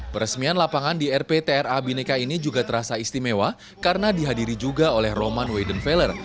peresmian lapangan di rptra bineka ini juga terasa istimewa karena dihadiri juga oleh roman weiden failer